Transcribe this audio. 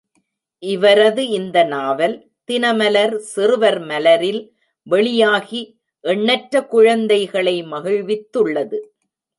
இவரது இந்த நாவல், தினமலர் சிறுவர் மலரில் வெளியாகி எண்ணற்ற குழந்தைகளை மகிழ்வித்துள்ளது.